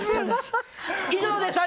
以上です。